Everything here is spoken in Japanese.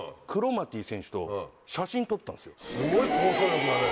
すごい交渉力だね。